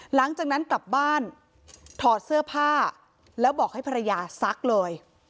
หลังจากนั้นกลับบ้านถอดเสื้อผ้าแล้วบอกให้ภรรยาซักเลย